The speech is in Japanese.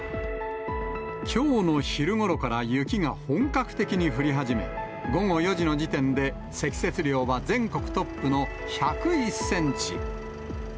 きょうの昼ごろから雪が本格的に降り始め、午後４時の時点で、積雪量は全国トップの１０１センチ。